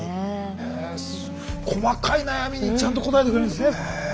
細かい悩みにちゃんと応えてくれるんですね。